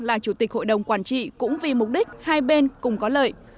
là chủ tịch hội đồng quản trị cũng vì mục đích hai bên cùng có lợi